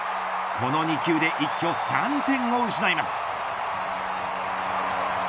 この２球で一挙３点を失います。